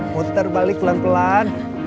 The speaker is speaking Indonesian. muter balik pelan pelan